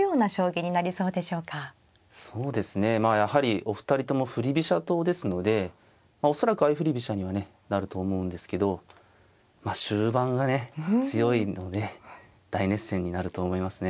そうですねまあやはりお二人とも振り飛車党ですので恐らく相振り飛車にはねなると思うんですけど終盤がね強いので大熱戦になると思いますね。